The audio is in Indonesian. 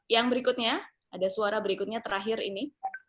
yang berikutnya ada suara berikutnya terakhir ini